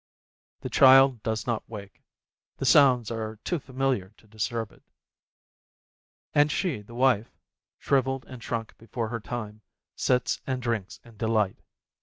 The child does not wake ; the sounds are too familiar to disturb it. And she, the wife, shrivelled and shrunk before her time, sits and drinks in delight.